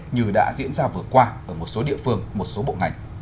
như đã diễn ra vừa qua ở một số địa phương một số bộ ngành